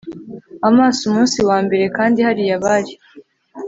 amaso umunsi wambere kandi hariya bari